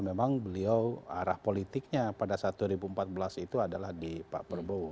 memang beliau arah politiknya pada saat dua ribu empat belas itu adalah di pak prabowo